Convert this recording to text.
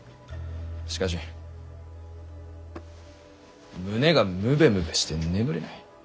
しかし胸がムベムベして眠れない。